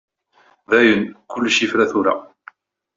Dayen kullec yefra tura.